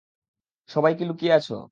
সবাই কি লুকিয়ে আছো?